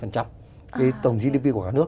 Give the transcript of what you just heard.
cái tổng gdp của cả nước